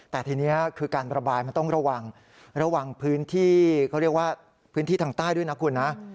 แต่ทีนี้คือการระบายมันต้องระวังพื้นที่ทางใต้ด้วยนะคุณ